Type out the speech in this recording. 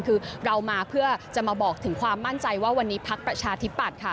คือเรามาเพื่อจะมาบอกถึงความมั่นใจว่าวันนี้พักประชาธิปัตย์ค่ะ